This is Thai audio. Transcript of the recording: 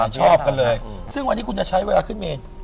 ชอบกันเลยซึ่งวันนี้คุณจะใช้เวลาขึ้นเมน